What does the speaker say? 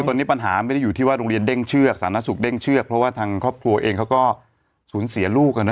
ตอนนี้ปัญหาไม่ได้อยู่ที่ว่าโรงเรียนเด้งเชือกสาธารณสุขเด้งเชือกเพราะว่าทางครอบครัวเองเขาก็สูญเสียลูก